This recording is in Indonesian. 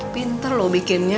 pinter lo bikinnya